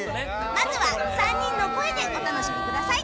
まずは３人の声でお楽しみください！